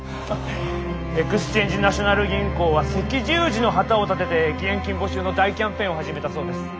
エクスチェンジ・ナショナル銀行は赤十字の旗を立てて義援金募集の大キャンペーンを始めたそうです。